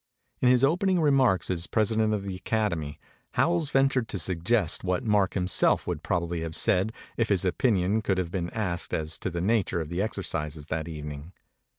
In his opening remarks as President of the Academy, Howells ventured to suggest what Mark himself would probably have said if his opinion could have been asked as to the nature of the exercises that evening.